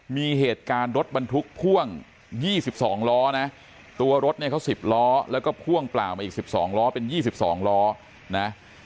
มีเหตุการณ์รถบรรทุกพ่วง๒๒ล้อนะตัวรถเนี่ยเขา๑๐ล้อแล้วก็พ่วงเปล่ามาอีก๑๒ล้อเป็น๒๒ล้อนะ